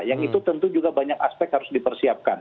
yang itu tentu juga banyak aspek harus dipersiapkan